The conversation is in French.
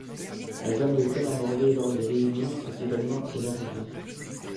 La gamme de thèmes abordés lors des réunions s'est également élargie.